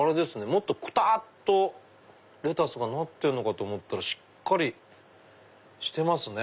もっとくたっとレタスがなってんのかと思ったらしっかりしてますね。